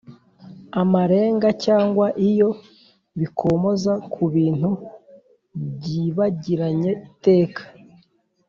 amarenga cyangwa iyo bikomoza ku bintu byibagiranye Iteka